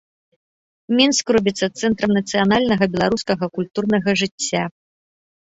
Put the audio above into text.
Мінск робіцца цэнтрам нацыянальнага беларускага культурнага жыцця.